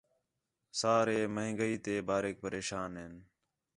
سارے مہنگائی تے باریک پریشان ھین